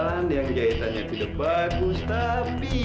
aku sudah sakit kami